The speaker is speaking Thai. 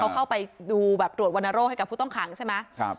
เขาเข้าไปดูแบบตรวจวรรณโรคให้กับผู้ต้องขังใช่ไหม